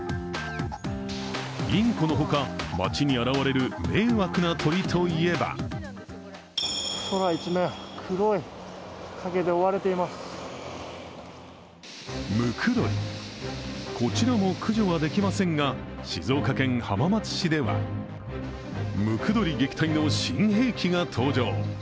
インコの他、町に現れる迷惑な鳥といえばムクドリ、こちらも駆除はできませんが静岡県浜松市では、ムクドリ撃退の新兵器が登場。